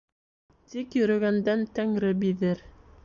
Тик йөрөгәндән Тәңре биҙер.